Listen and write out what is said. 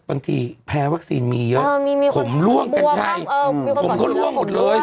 บางทีแพ้วัคซีนมีเยอะผมล่วงกัญชัยผมก็ล่วงหมดเลย